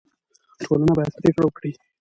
ټولنه باید پرېکړه وکړي.